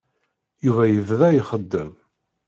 Yuba yebda ixeddem.